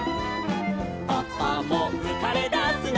「パパもうかれだすの」